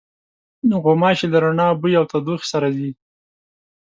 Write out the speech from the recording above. غوماشې له رڼا، بوی او تودوخې سره ځي.